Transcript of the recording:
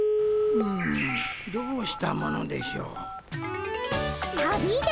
うんどうしたものでしょう。